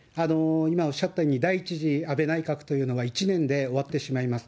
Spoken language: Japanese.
今おっしゃったように、第１次安倍内閣というのが１年で終わってしまいます。